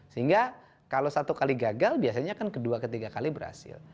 sehingga kalau satu kali gagal biasanya kan kedua ketiga kali berhasil